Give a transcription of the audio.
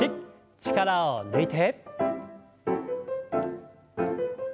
力を抜いて。